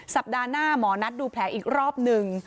สัปดาห์หน้าหมอนัดดูแผลอีกรอบหนึ่ง